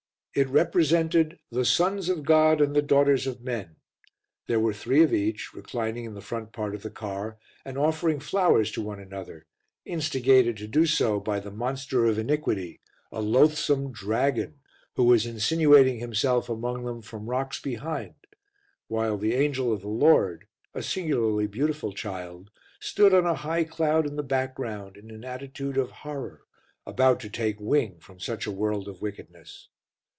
It represented The Sons of God and the Daughters of Men; there were three of each, reclining in the front part of the car and offering flowers to one another, instigated so to do by the Monster of Iniquity, a loathsome dragon, who was insinuating himself among them from rocks behind, while the Angel of the Lord, a singularly beautiful child, stood on a high cloud in the background, in an attitude of horror, about to take wing from such a world of wickedness.